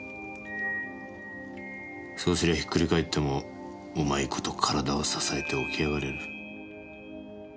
そうすりゃひっくり返ってもうまい事体を支えて起き上がれる。